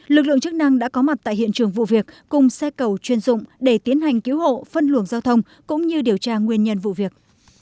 lực lượng chức năng đã có mặt tại hiện trường vụ việc cùng xe cầu chuyên dụng để tiến hành cứu hộ phân luồng giao thông cũng như điều tra nguyên nhân vụ việc